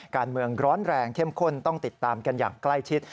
การเมืองร้อนแรงเข้มข้นต้องติดตามกันอย่างใกล้ชิด